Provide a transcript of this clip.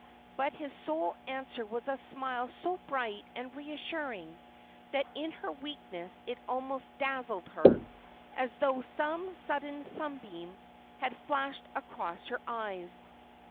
But his sole answer was a smile so bright and reassuring that in her weakness it almost dazzled her, as though some sudden sunbeam had flashed across her eyes.